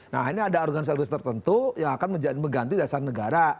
nah ini ada organisasi organisasi tertentu yang akan mengganti dasar negara